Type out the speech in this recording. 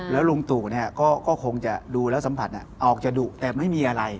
แล้วลุงตู่ก็คงจะดูแล้วสัมผัสออกจะดุแต่ไม่มีอะไร